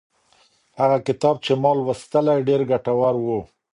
هغه کتاب چې ما لوستلی ډېر ګټور و.